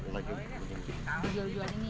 lagi berjualan ini ya